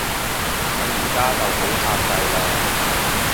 趁而家就好煞掣嘞